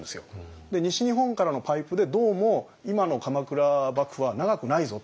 西日本からのパイプでどうも今の鎌倉幕府は長くないぞと。